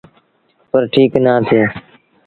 پر ٺيٚڪ نآ ٿئي۔